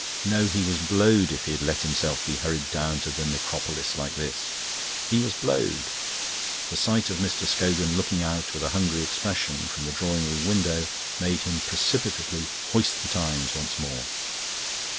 No, he was blowed if he'd let himself be hurried down to the Necropolis like this. He was blowed. The sight of Mr. Scogan looking out, with a hungry expression, from the drawing room window made him precipitately hoist the "Times" once more.